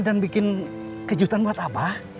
dan bikin kejutan buat abah